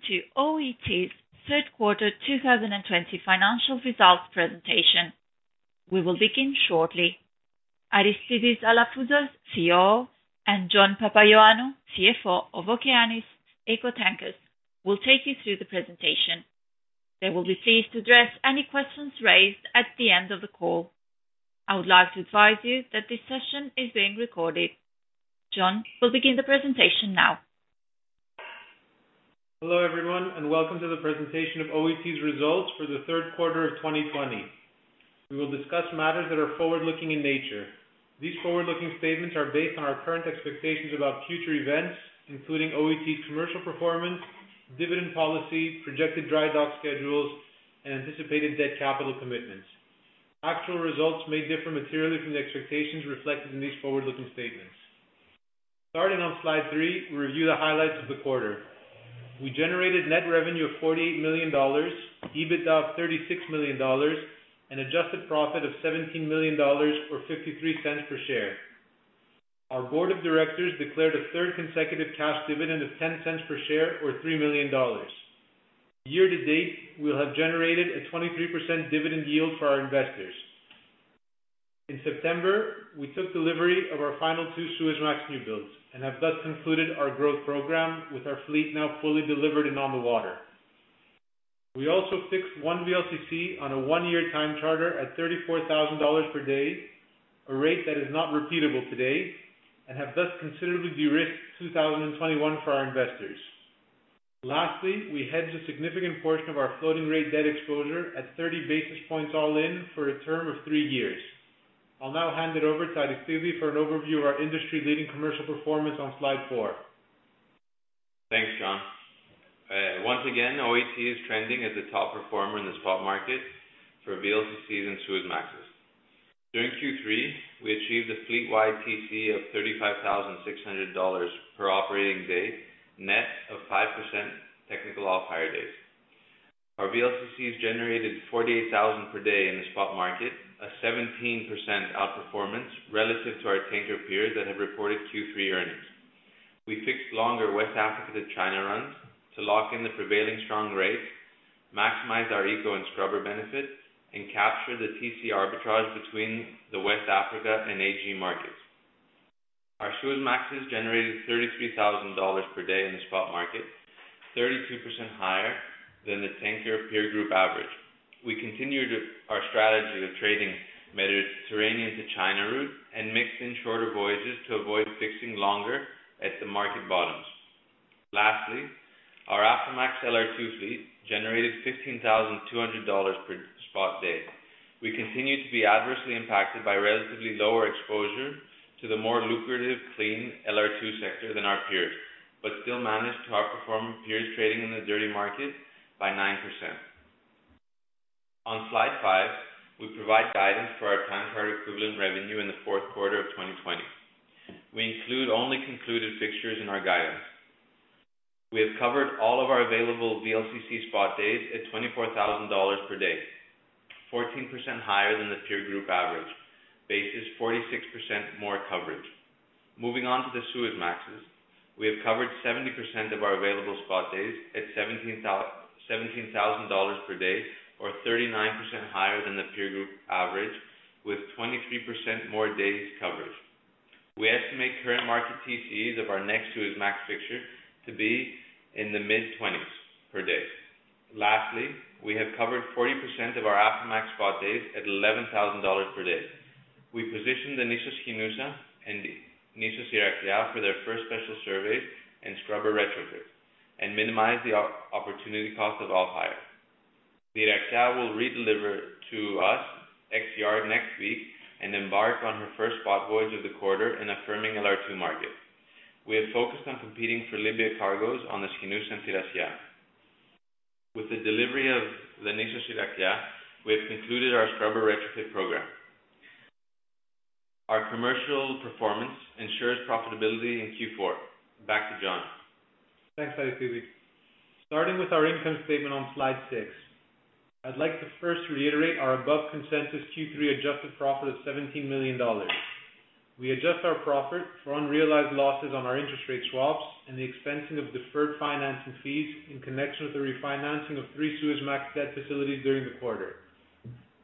Welcome to OET's third quarter 2020 financial results presentation. We will begin shortly. Aristidis Alafouzos, CEO, and John Papaioannou, CFO of Okeanis Eco Tankers, will take you through the presentation. They will be pleased to address any questions raised at the end of the call. I would like to advise you that this session is being recorded. John will begin the presentation now. Hello everyone and welcome to the presentation of OET's results for the third quarter of 2020. We will discuss matters that are forward-looking in nature. These forward-looking statements are based on our current expectations about future events, including OET's commercial performance, dividend policy, projected dry dock schedules, and anticipated debt capital commitments. Actual results may differ materially from the expectations reflected in these forward-looking statements. Starting on slide three, we review the highlights of the quarter. We generated net revenue of $48 million, EBITDA of $36 million, and adjusted profit of $17 million or $0.53 per share. Our board of directors declared a third consecutive cash dividend of $0.10 per share or $3 million. Year to date, we have generated a 23% dividend yield for our investors. In September, we took delivery of our final two Suezmax new builds and have thus concluded our growth program with our fleet now fully delivered and on the water. We also fixed one VLCC on a one-year time charter at $34,000 per day, a rate that is not repeatable today, and have thus considerably de-risked 2021 for our investors. Lastly, we hedged a significant portion of our floating rate debt exposure at 30 basis points all in for a term of three years. I'll now hand it over to Aristidis for an overview of our industry-leading commercial performance on slide four. Thanks, John. Once again, OET is trending as the top performer in the spot market for VLCCs and Suezmaxes. During Q3, we achieved a fleet-wide TC of $35,600 per operating day, net of 5% technical off-hire days. Our VLCCs generated $48,000 per day in the spot market, a 17% outperformance relative to our tanker peers that have reported Q3 earnings. We fixed longer West Africa to China runs to lock in the prevailing strong rate, maximize our eco and scrubber benefit, and capture the TC arbitrage between the West Africa and AG markets. Our Suezmaxes generated $33,000 per day in the spot market, 32% higher than the tanker peer group average. We continued our strategy of trading Mediterranean to China route and mixed in shorter voyages to avoid fixing longer at the market bottoms. Lastly, our Aframax LR2 fleet generated $15,200 per spot day. We continue to be adversely impacted by relatively lower exposure to the more lucrative, clean LR2 sector than our peers, but still managed to outperform peers trading in the dirty market by 9%. On slide five, we provide guidance for our time charter equivalent revenue in the fourth quarter of 2020. We include only concluded fixtures in our guidance. We have covered all of our available VLCC spot days at $24,000 per day, 14% higher than the peer group average, basis 46% more coverage. Moving on to the Suezmaxes, we have covered 70% of our available spot days at $17,000 per day, or 39% higher than the peer group average, with 23% more days coverage. We estimate current market TCs of our next Suezmax fixture to be in the mid-20s per day. Lastly, we have covered 40% of our Aframax spot days at $11,000 per day. We positioned the Nisos Hydroussa and Nisos Heraclea for their first special surveys and scrubber retrofits, and minimized the opportunity cost of off-hire. The Heraclea will redeliver to us ex-yard next week and embark on her first spot voyage of the quarter in a firming LR2 market. We have focused on competing for Libya cargoes on the Hydroussa and Thirassia. With the delivery of the Nisos Heraclea, we have concluded our scrubber retrofit program. Our commercial performance ensures profitability in Q4. Back to John. Thanks, Aristidis. Starting with our income statement on slide six, I'd like to first reiterate our above consensus Q3 adjusted profit of $17 million. We adjust our profit for unrealized losses on our interest rate swaps and the expensing of deferred financing fees in connection with the refinancing of three Suezmax debt facilities during the quarter.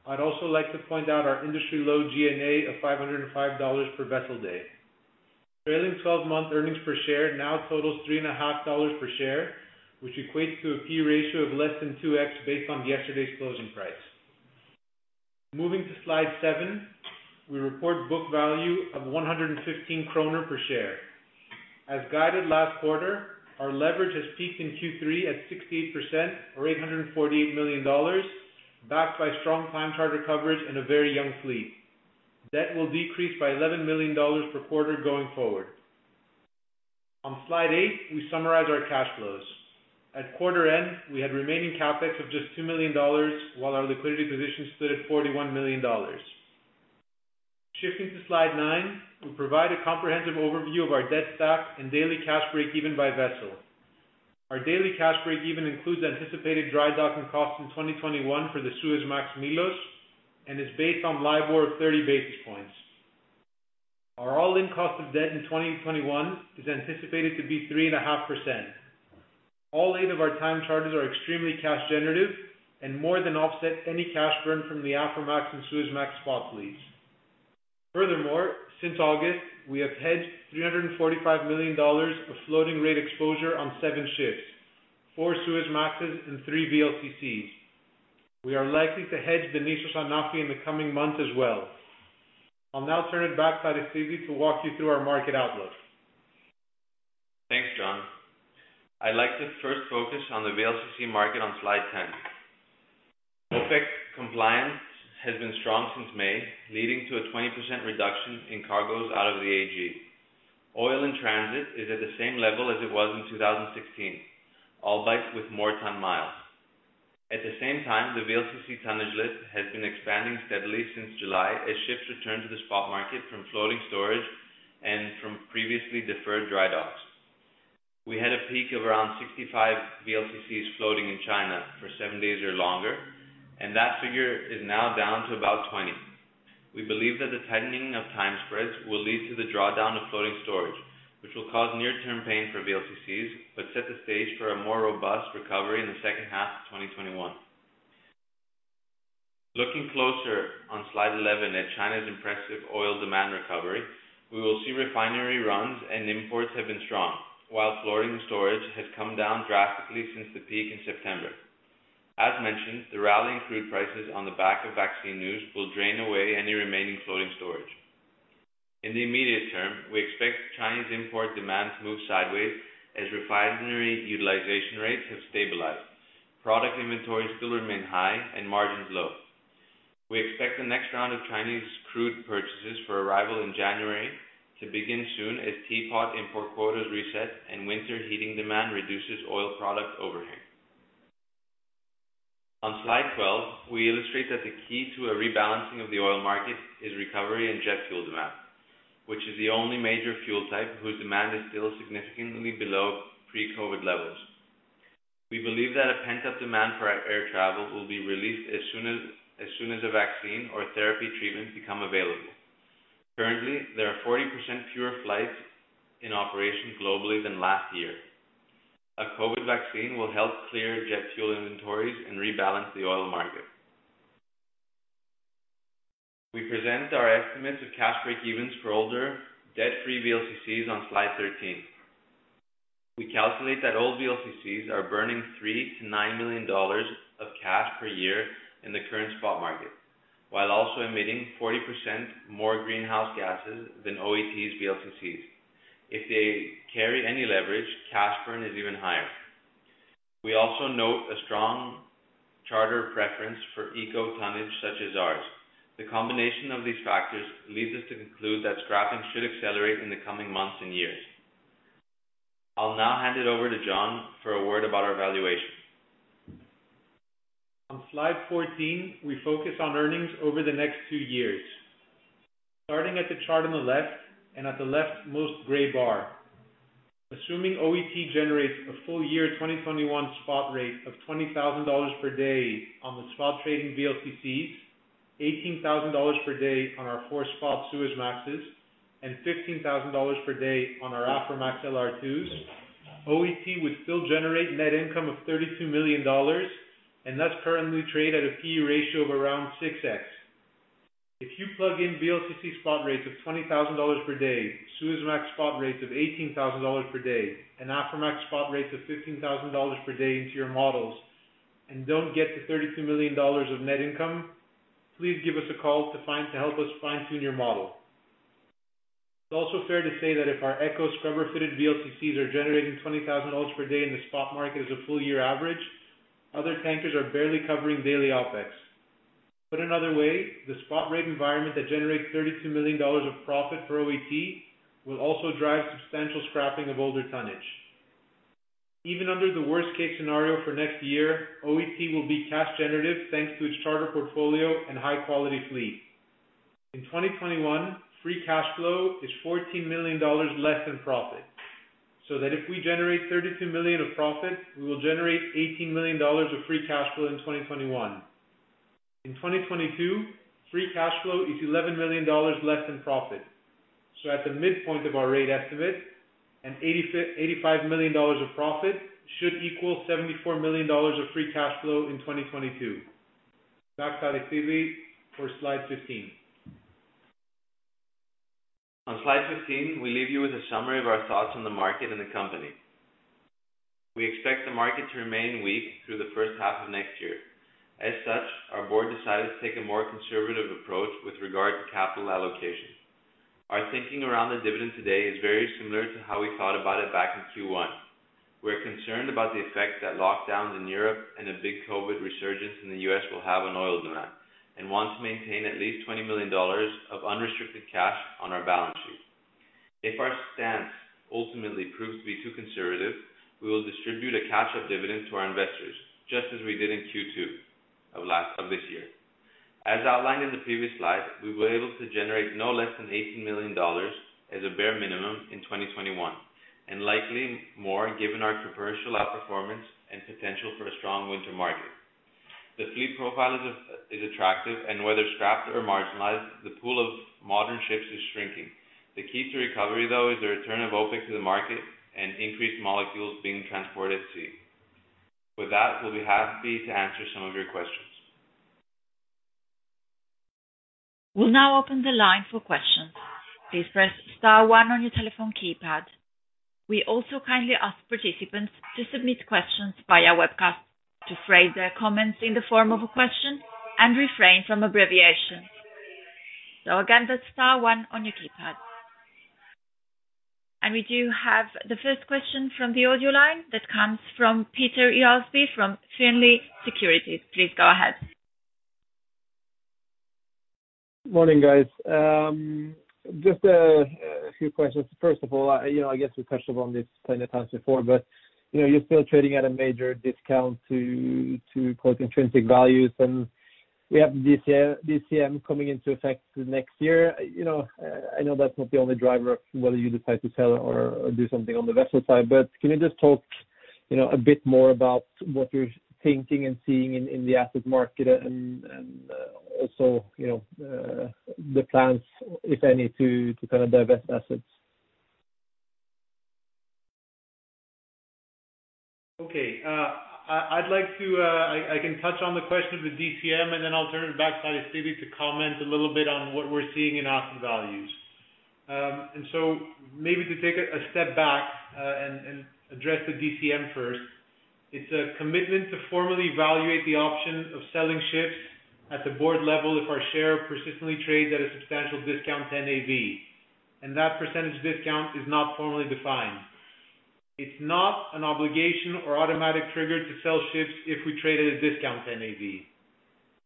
I'd also like to point out our industry low G&A of $505 per vessel day. Trailing 12-month earnings per share now totals $3.50 per share, which equates to a P/E ratio of less than 2x based on yesterday's closing price. Moving to slide seven, we report book value of 115 kroner per share. As guided last quarter, our leverage has peaked in Q3 at 68% or $848 million, backed by strong time charter coverage and a very young fleet. Debt will decrease by $11 million per quarter going forward. On slide eight, we summarize our cash flows. At quarter end, we had remaining CapEx of just $2 million, while our liquidity position stood at $41 million. Shifting to slide nine, we provide a comprehensive overview of our debt stack and daily cash break-even by vessel. Our daily cash break-even includes anticipated dry docking costs in 2021 for the Suezmax Milos and is based on LIBOR of 30 basis points. Our all-in cost of debt in 2021 is anticipated to be 3.5%. All eight of our time charters are extremely cash generative and more than offset any cash burn from the Aframax and Suezmax spot fleets. Furthermore, since August, we have hedged $345 million of floating rate exposure on seven ships, four Suezmaxes and three VLCCs. We are likely to hedge the Nisos Antiparos in the coming months as well. I'll now turn it back to Aristidis to walk you through our market outlook. Thanks, John. I'd like to first focus on the VLCC market on slide 10. OPEC compliance has been strong since May, leading to a 20% reduction in cargoes out of the AG. Oil transit is at the same level as it was in 2016, albeit with more ton miles. At the same time, the VLCC tonnage list has been expanding steadily since July as ships return to the spot market from floating storage and from previously deferred dry docks. We had a peak of around 65 VLCCs floating in China for seven days or longer, and that figure is now down to about 20 days. We believe that the tightening of time spreads will lead to the drawdown of floating storage, which will cause near-term pain for VLCCs but set the stage for a more robust recovery in the second half of 2021. Looking closer on slide 11 at China's impressive oil demand recovery, we will see refinery runs and imports have been strong, while floating storage has come down drastically since the peak in September. As mentioned, the rallying crude prices on the back of vaccine news will drain away any remaining floating storage. In the immediate term, we expect Chinese import demand to move sideways as refinery utilization rates have stabilized. Product inventories still remain high and margins low. We expect the next round of Chinese crude purchases for arrival in January to begin soon as teapot import quotas reset and winter heating demand reduces oil product overhang. On slide 12, we illustrate that the key to a rebalancing of the oil market is recovery in jet fuel demand, which is the only major fuel type whose demand is still significantly below pre-COVID levels. We believe that a pent-up demand for air travel will be released as soon as a vaccine or therapy treatment becomes available. Currently, there are 40% fewer flights in operation globally than last year. A COVID vaccine will help clear jet fuel inventories and rebalance the oil market. We present our estimates of cash break-evens for older debt-free VLCCs on slide 13. We calculate that old VLCCs are burning $3million-$9 million of cash per year in the current spot market, while also emitting 40% more greenhouse gases than OET's VLCCs. If they carry any leverage, cash burn is even higher. We also note a strong charter preference for eco tonnage such as ours. The combination of these factors leads us to conclude that scrapping should accelerate in the coming months and years. I'll now hand it over to John for a word about our valuation. On slide 14, we focus on earnings over the next two years, starting at the chart on the left and at the left-most gray bar. Assuming OET generates a full year 2021 spot rate of $20,000 per day on the spot trading VLCCs, $18,000 per day on our four spot Suezmaxes, and $15,000 per day on our Aframax LR2s, OET would still generate net income of $32 million, and thus currently trade at a P/E ratio of around 6x. If you plug in VLCC spot rates of $20,000 per day, Suezmax spot rates of $18,000 per day, and Aframax spot rates of $15,000 per day into your models and don't get to $32 million of net income, please give us a call to help us fine-tune your model. It's also fair to say that if our eco scrubber-fitted VLCCs are generating $20,000 per day in the spot market as a full year average, other tankers are barely covering daily OpEx. Put another way, the spot rate environment that generates $32 million of profit for OET will also drive substantial scrapping of older tonnage. Even under the worst-case scenario for next year, OET will be cash generative thanks to its charter portfolio and high-quality fleet. In 2021, free cash flow is $14 million less in profit, so that if we generate $32 million of profit, we will generate $18 million of free cash flow in 2021. In 2022, free cash flow is $11 million less in profit, so at the midpoint of our rate estimate, an $85 million of profit should equal $74 million of free cash flow in 2022. Back to Aristidis for slide 15. On slide 15, we leave you with a summary of our thoughts on the market and the company. We expect the market to remain weak through the first half of next year. As such, our board decided to take a more conservative approach with regard to capital allocation. Our thinking around the dividend today is very similar to how we thought about it back in Q1. We're concerned about the effect that lockdowns in Europe and a big COVID resurgence in the U.S. will have on oil demand, and want to maintain at least $20 million of unrestricted cash on our balance sheet. If our stance ultimately proves to be too conservative, we will distribute a catch-up dividend to our investors, just as we did in Q2 of this year. As outlined in the previous slide, we were able to generate no less than $18 million as a bare minimum in 2021, and likely more given our commercial outperformance and potential for a strong winter market. The fleet profile is attractive, and whether scrapped or marginalized, the pool of modern ships is shrinking. The key to recovery, though, is the return of OPEC to the market and increased molecules being transported at sea. With that, we'll be happy to answer some of your questions. We'll now open the line for questions. Please press star one on your telephone keypad. We also kindly ask participants to submit questions via webcast to frame their comments in the form of a question and refrain from abbreviations. So again, that's star one on your keypad. And we do have the first question from the audio line that comes from Peder Jarlsby, Fearnley Securities. Please go ahead. Morning, guys. Just a few questions. First of all, I guess we touched upon this plenty of times before, but you're still trading at a major discount to your intrinsic values, and we have DCM coming into effect next year. I know that's not the only driver of whether you decide to sell or do something on the vessel side, but can you just talk a bit more about what you're thinking and seeing in the asset market and also the plans, if any, to kind of divest assets? Okay. I'd like to touch on the question of the DCM, and then I'll turn it back to Aristidis to comment a little bit on what we're seeing in asset values. So maybe to take a step back and address the DCM first, it's a commitment to formally evaluate the option of selling ships at the board level if our share persistently trades at a substantial discount to NAV. That percentage discount is not formally defined. It's not an obligation or automatic trigger to sell ships if we trade at a discount to NAV.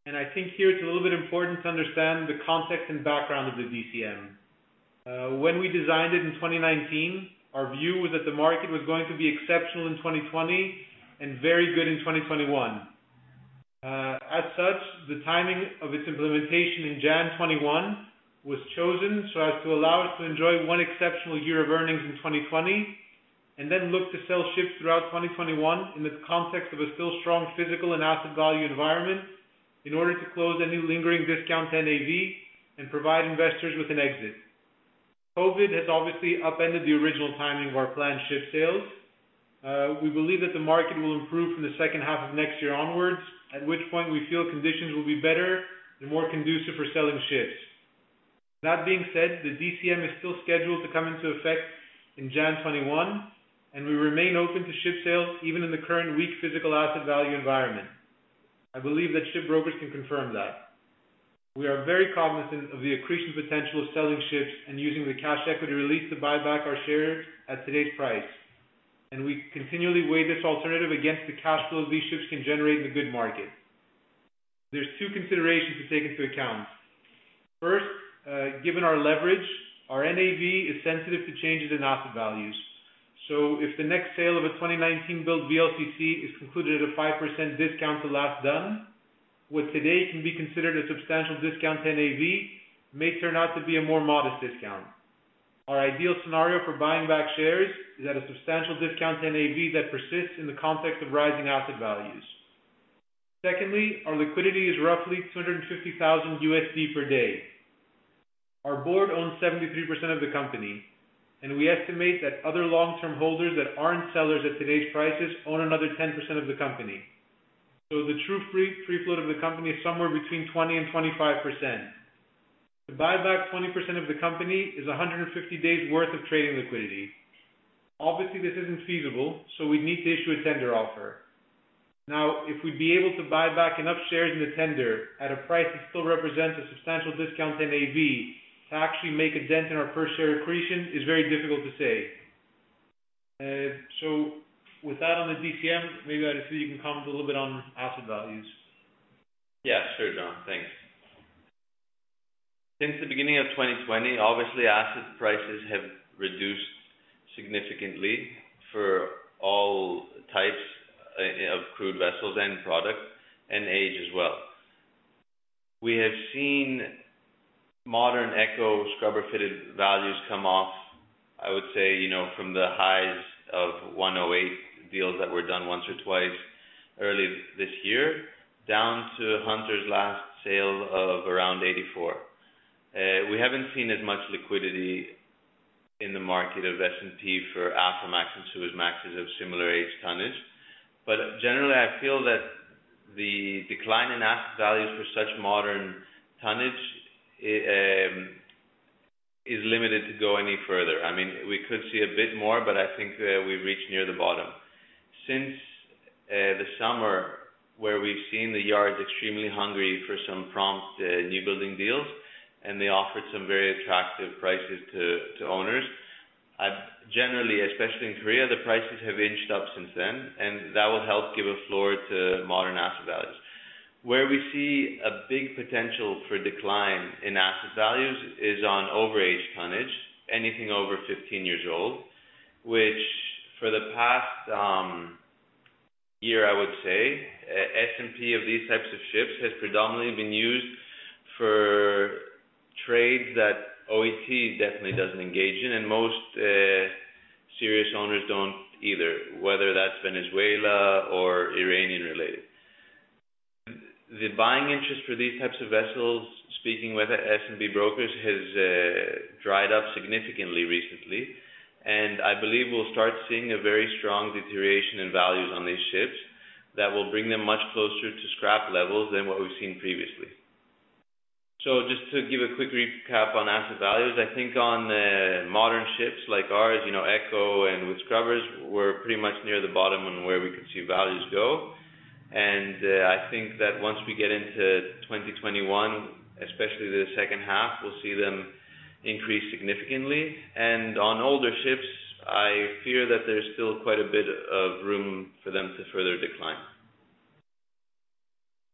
I think here it's a little bit important to understand the context and background of the DCM. When we designed it in 2019, our view was that the market was going to be exceptional in 2020 and very good in 2021. As such, the timing of its implementation in January 2021 was chosen so as to allow us to enjoy one exceptional year of earnings in 2020 and then look to sell ships throughout 2021 in the context of a still strong physical and asset value environment in order to close any lingering discount to NAV and provide investors with an exit. COVID has obviously upended the original timing of our planned ship sales. We believe that the market will improve from the second half of next year onwards, at which point we feel conditions will be better and more conducive for selling ships. That being said, the DCM is still scheduled to come into effect in January 2021, and we remain open to ship sales even in the current weak physical asset value environment. I believe that ship brokers can confirm that. We are very cognizant of the accretion potential of selling ships and using the cash equity release to buy back our shares at today's price, and we continually weigh this alternative against the cash flow these ships can generate in the good market. There's two considerations to take into account. First, given our leverage, our NAV is sensitive to changes in asset values. So if the next sale of a 2019-built VLCC is concluded at a 5% discount to last done, what today can be considered a substantial discount to NAV may turn out to be a more modest discount. Our ideal scenario for buying back shares is at a substantial discount to NAV that persists in the context of rising asset values. Secondly, our liquidity is roughly $250,000 per day. Our board owns 73% of the company, and we estimate that other long-term holders that aren't sellers at today's prices own another 10% of the company. So the true free float of the company is somewhere between 20%-25%. To buy back 20% of the company is 150 days' worth of trading liquidity. Obviously, this isn't feasible, so we'd need to issue a tender offer. Now, if we'd be able to buy back enough shares in the tender at a price that still represents a substantial discount to NAV, to actually make a dent in our per-share accretion is very difficult to say. So with that on the DCM, maybe Aristidis, you can comment a little bit on asset values. Yeah, sure, John. Thanks. Since the beginning of 2020, obviously, asset prices have reduced significantly for all types of crude vessels and product and age as well. We have seen modern Eco scrubber-fitted values come off, I would say, from the highs of $108 million deals that were done once or twice earlier this year down to Hunter's last sale of around $84 million. We haven't seen as much liquidity in the market of S&P for Aframax and Suezmaxes of similar age tonnage. But generally, I feel that the decline in asset values for such modern tonnage is limited to go any further. I mean, we could see a bit more, but I think we've reached near the bottom. Since the summer where we've seen the yards extremely hungry for some prompt new building deals, and they offered some very attractive prices to owners, generally, especially in Korea, the prices have inched up since then, and that will help give a floor to modern asset values. Where we see a big potential for decline in asset values is on overage tonnage, anything over 15 years old, which for the past year, I would say, S&P of these types of ships has predominantly been used for trades that OET definitely doesn't engage in, and most serious owners don't either, whether that's Venezuela or Iranian-related. The buying interest for these types of vessels, speaking with S&P brokers, has dried up significantly recently, and I believe we'll start seeing a very strong deterioration in values on these ships that will bring them much closer to scrap levels than what we've seen previously. Just to give a quick recap on asset values. I think on modern ships like ours, eco and with scrubbers, we're pretty much near the bottom on where we could see values go. I think that once we get into 2021, especially the second half, we'll see them increase significantly. On older ships, I fear that there's still quite a bit of room for them to further decline.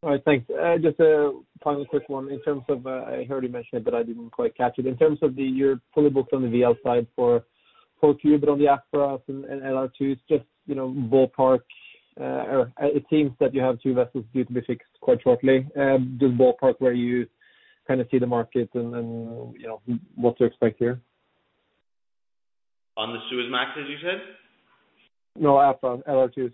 All right. Thanks. Just a final quick one in terms of I heard you mention it, but I didn't quite catch it. In terms of you're fully booked on the VL side for Q, but on the Aframax and LR2, it's just ballpark, or it seems that you have two vessels due to be fixed quite shortly. Just ballpark where you kind of see the market and what to expect here? On the Suezmax, as you said? No, Aframax, LR2.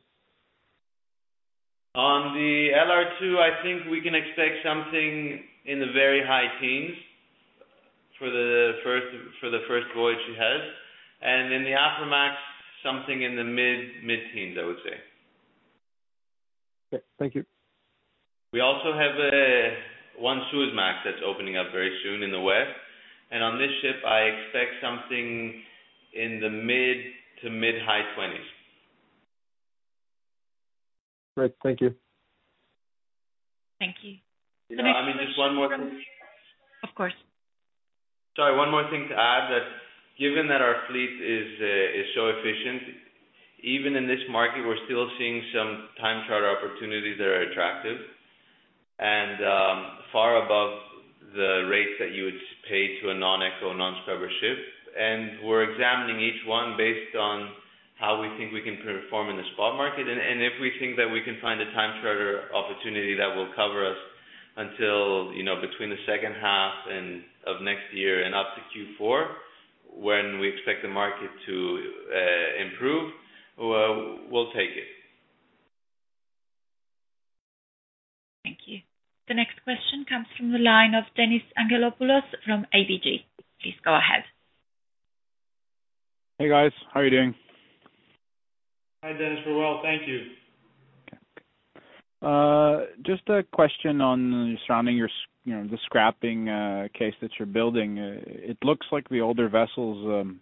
On the LR2, I think we can expect something in the very high teens for the first voyage she has, and in the Aframax, something in the mid-teens, I would say. Okay. Thank you. We also have one Suezmax that's opening up very soon in the west. And on this ship, I expect something in the mid to mid-high 20s. Great. Thank you. Thank you. I mean, just one more thing. Of course. Sorry, one more thing to add that given that our fleet is so efficient, even in this market, we're still seeing some time charter opportunities that are attractive and far above the rates that you would pay to a non-eco, non-scrubber ship. And we're examining each one based on how we think we can perform in the spot market. And if we think that we can find a time charter opportunity that will cover us until between the second half of next year and up to Q4, when we expect the market to improve, we'll take it. Thank you. The next question comes from the line of Dennis Anghelopoulos from ABG. Please go ahead. Hey, guys. How are you doing? Hi, Dennis. We're well. Thank you. Just a question on surrounding the scrapping case that you're building. It looks like the older vessels,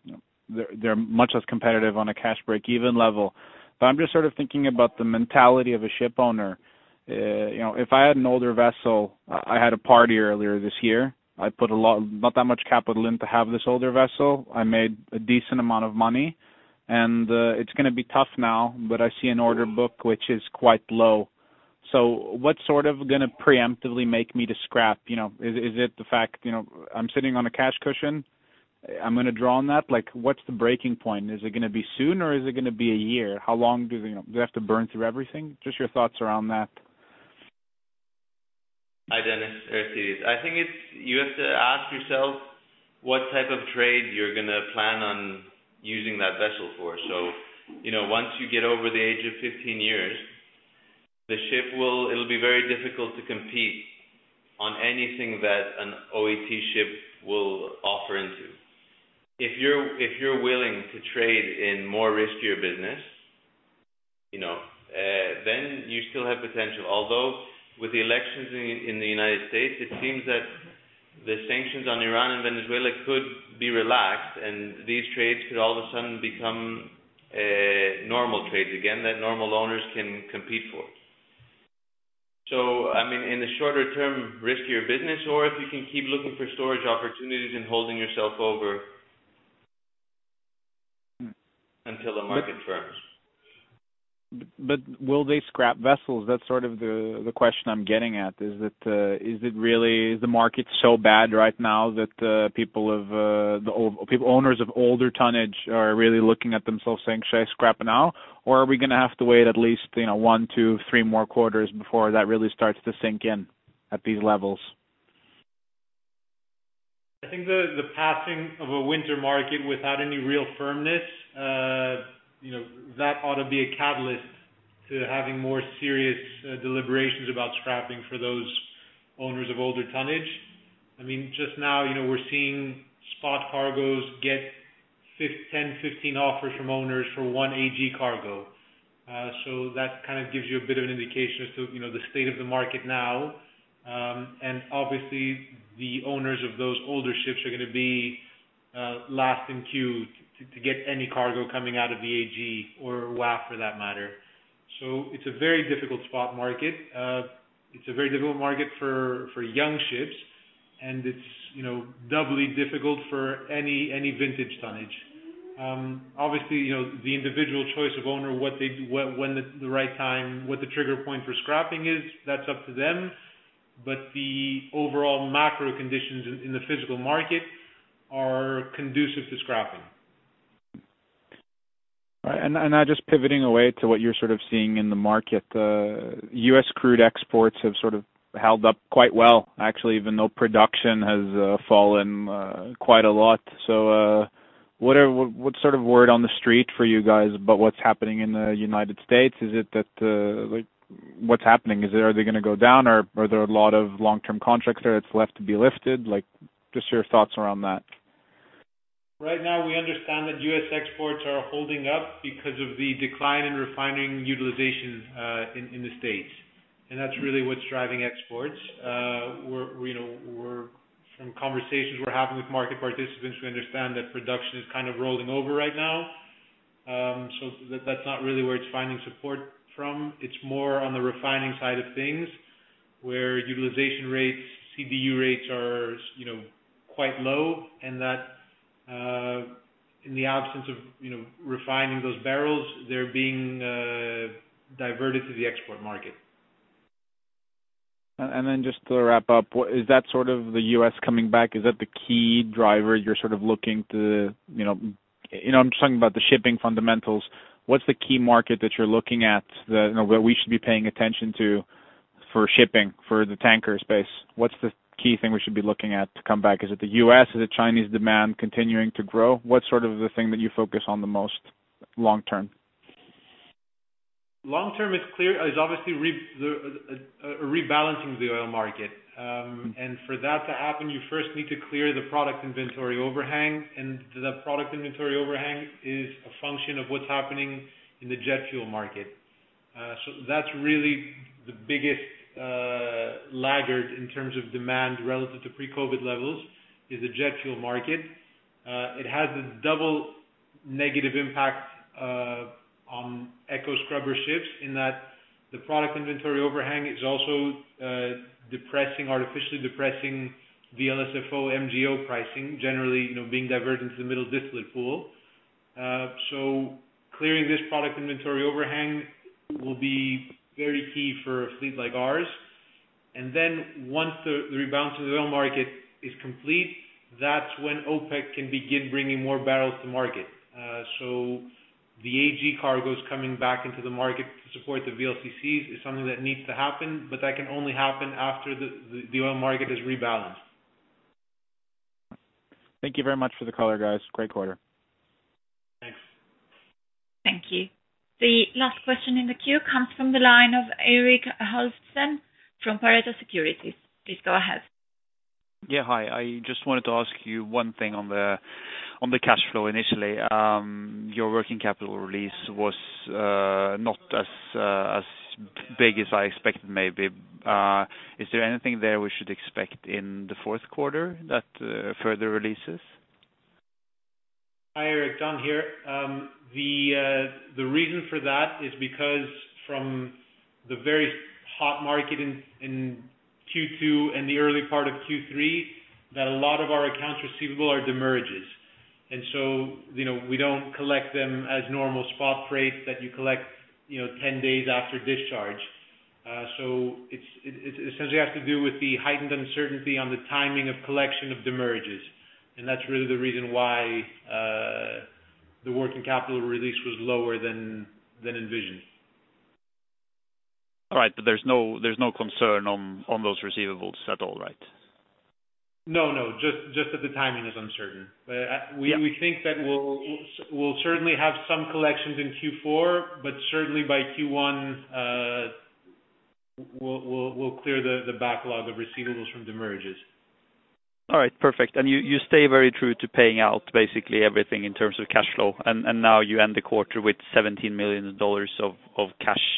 they're much less competitive on a cash break-even level. But I'm just sort of thinking about the mentality of a ship owner. If I had an older vessel, I had a payday earlier this year. I put not that much capital in to have this older vessel. I made a decent amount of money. And it's going to be tough now, but I see an order book which is quite low. So what's sort of going to preemptively make me to scrap? Is it the fact I'm sitting on a cash cushion? I'm going to draw on that. What's the breaking point? Is it going to be soon, or is it going to be a year? How long do they have to burn through everything? Just your thoughts around that. Hi, Dennis. Aristidis. I think you have to ask yourself what type of trade you're going to plan on using that vessel for. So once you get over the age of 15 years, it'll be very difficult to compete on anything that an OET ship will offer into. If you're willing to trade in more riskier business, then you still have potential. Although with the elections in the United States, it seems that the sanctions on Iran and Venezuela could be relaxed, and these trades could all of a sudden become normal trades again that normal owners can compete for. So I mean, in the shorter term, riskier business, or if you can keep looking for storage opportunities and holding yourself over until the market turns. But will they scrap vessels? That's sort of the question I'm getting at. Is it really the market so bad right now that people of old owners of older tonnage are really looking at themselves saying, "Should I scrap now?" Or are we going to have to wait at least one, two, three more quarters before that really starts to sink in at these levels? I think the passing of a winter market without any real firmness, that ought to be a catalyst to having more serious deliberations about scrapping for those owners of older tonnage. I mean, just now, we're seeing spot cargoes get 10, 15 offers from owners for one AG cargo, so that kind of gives you a bit of an indication as to the state of the market now, and obviously, the owners of those older ships are going to be last in queue to get any cargo coming out of the AG or WAF, for that matter. So it's a very difficult spot market. It's a very difficult market for young ships, and it's doubly difficult for any vintage tonnage. Obviously, the individual choice of owner, when the right time, what the trigger point for scrapping is, that's up to them. But the overall macro conditions in the physical market are conducive to scrapping. All right. And now just pivoting away to what you're sort of seeing in the market, U.S. crude exports have sort of held up quite well, actually, even though production has fallen quite a lot. So what sort of word on the street for you guys about what's happening in the United States? Is it that what's happening? Are they going to go down, or are there a lot of long-term contracts there that's left to be lifted? Just your thoughts around that. Right now, we understand that U.S. exports are holding up because of the decline in refining utilization in the States, and that's really what's driving exports. From conversations we're having with market participants, we understand that production is kind of rolling over right now, so that's not really where it's finding support from. It's more on the refining side of things where utilization rates, CDU rates are quite low, and that, in the absence of refining those barrels, they're being diverted to the export market. And then just to wrap up, is that sort of the U.S. coming back? Is that the key driver you're sort of looking to? I'm just talking about the shipping fundamentals. What's the key market that you're looking at that we should be paying attention to for shipping, for the tanker space? What's the key thing we should be looking at to come back? Is it the U.S.? Is it Chinese demand continuing to grow? What's sort of the thing that you focus on the most long-term? Long-term is obviously rebalancing the oil market. And for that to happen, you first need to clear the product inventory overhang. And the product inventory overhang is a function of what's happening in the jet fuel market. So that's really the biggest laggard in terms of demand relative to pre-COVID levels is the jet fuel market. It has a double negative impact on eco scrubber ships in that the product inventory overhang is also artificially depressing the LSFO MGO pricing, generally being diverted into the middle distillate pool. So clearing this product inventory overhang will be very key for a fleet like ours. And then once the rebalancing of the oil market is complete, that's when OPEC can begin bringing more barrels to market. So the AG cargoes coming back into the market to support the VLCCs is something that needs to happen, but that can only happen after the oil market is rebalanced. Thank you very much for the call, guys. Great quarter. Thanks. Thank you. The last question in the queue comes from the line of Eirik Haavaldsen from Pareto Securities. Please go ahead. Yeah, hi. I just wanted to ask you one thing on the cash flow initially. Your working capital release was not as big as I expected, maybe. Is there anything there we should expect in the fourth quarter that further releases? Hi, Eirik. John here. The reason for that is because from the very hot market in Q2 and the early part of Q3, that a lot of our accounts receivable are demurrages, and so we don't collect them as normal spot rates that you collect 10 days after discharge, so it essentially has to do with the heightened uncertainty on the timing of collection of demurrages, and that's really the reason why the working capital release was lower than envisioned. All right. But there's no concern on those receivables at all, right? No, no. Just that the timing is uncertain. We think that we'll certainly have some collections in Q4, but certainly by Q1, we'll clear the backlog of receivables from demurrages. All right. Perfect. And you stay very true to paying out basically everything in terms of cash flow. And now you end the quarter with $17 million of cash.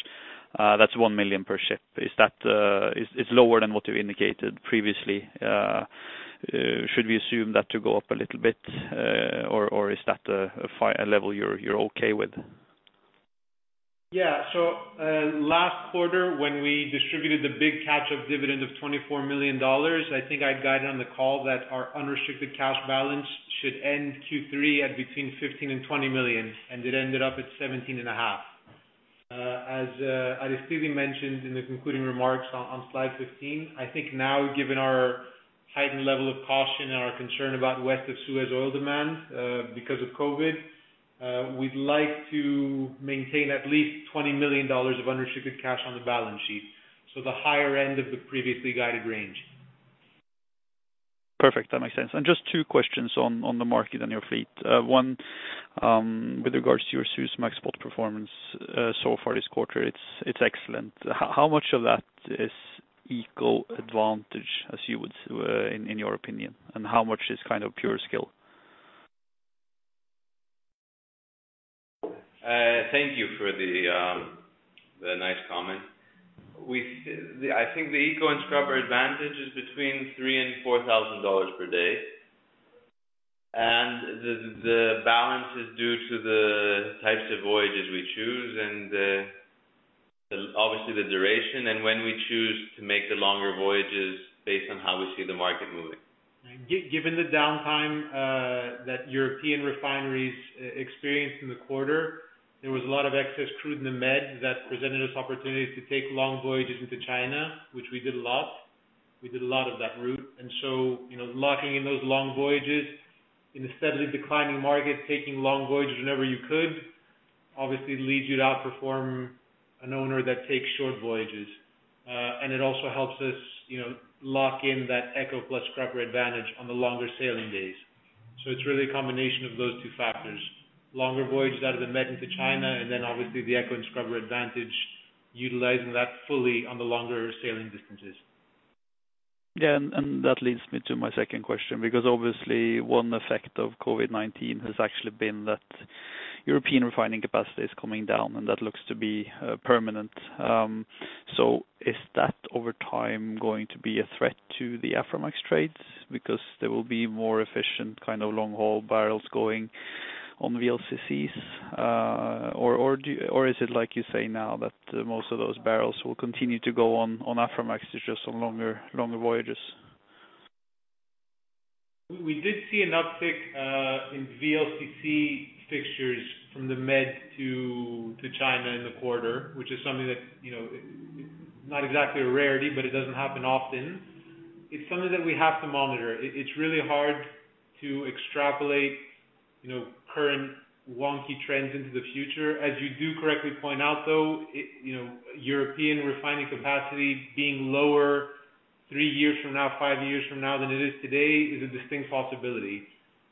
That's one million per ship. Is that lower than what you indicated previously? Should we assume that to go up a little bit, or is that a level you're okay with? Yeah. So last quarter, when we distributed the big catch-up dividend of $24 million, I think I'd guided on the call that our unrestricted cash balance should end Q3 at between $15 million and $20 million. And it ended up at $17.5 million. As Aristidis mentioned in the concluding remarks on slide 15, I think now, given our heightened level of caution and our concern about west of Suez oil demand because of COVID, we'd like to maintain at least $20 million of unrestricted cash on the balance sheet. So the higher end of the previously guided range. Perfect. That makes sense. And just two questions on the market and your fleet. One, with regards to your Suezmax spot performance so far this quarter, it's excellent. How much of that is eco advantage, as you would say, in your opinion? And how much is kind of pure skill? Thank you for the nice comment. I think the eco and scrubber advantage is between $3,000 and $4,000 per day, and the balance is due to the types of voyages we choose and obviously the duration and when we choose to make the longer voyages based on how we see the market moving. Given the downtime that European refineries experienced in the quarter, there was a lot of excess crude in the Med that presented us opportunities to take long voyages into China, which we did a lot. We did a lot of that route, and so locking in those long voyages in a steadily declining market, taking long voyages whenever you could, obviously leads you to outperform an owner that takes short voyages, and it also helps us lock in that eco plus scrubber advantage on the longer sailing days, so it's really a combination of those two factors: longer voyages out of the Med into China, and then obviously the eco and scrubber advantage utilizing that fully on the longer sailing distances. Yeah, and that leads me to my second question because obviously one effect of COVID-19 has actually been that European refining capacity is coming down, and that looks to be permanent, so is that over time going to be a threat to the Aframax trades because there will be more efficient kind of long-haul barrels going on VLCCs, or is it like you say now that most of those barrels will continue to go on Aframax just on longer voyages? We did see an uptick in VLCC fixtures from the Med to China in the quarter, which is something that is not exactly a rarity, but it doesn't happen often. It's something that we have to monitor. It's really hard to extrapolate current wonky trends into the future. As you do correctly point out, though, European refining capacity being lower three years from now, five years from now than it is today is a distinct possibility.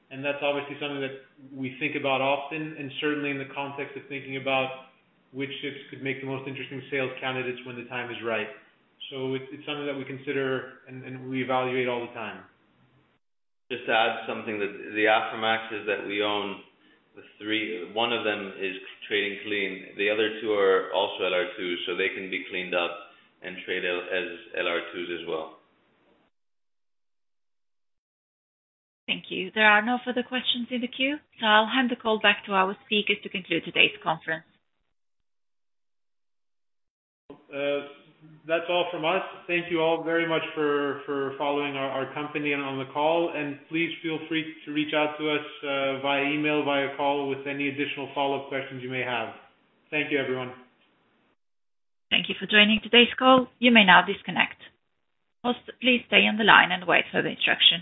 And that's obviously something that we think about often and certainly in the context of thinking about which ships could make the most interesting sales candidates when the time is right, so it's something that we consider and we evaluate all the time. Just to add something, the Aframaxes that we own, the three. One of them is trading clean. The other two are also LR2s, so they can be cleaned up and traded as LR2s as well. Thank you. There are no further questions in the queue, so I'll hand the call back to our speakers to conclude today's conference. That's all from us. Thank you all very much for following our company and on the call. And please feel free to reach out to us via email, via call, with any additional follow-up questions you may have. Thank you, everyone. Thank you for joining today's call. You may now disconnect. Please stay on the line and wait for the instruction.